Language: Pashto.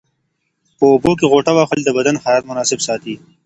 په اوبو کې غوټه وهل د بدن حرارت مناسب ساتي.